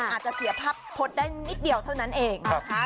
อาจจะเสียภาพพจน์ได้นิดเดียวเท่านั้นเองนะคะ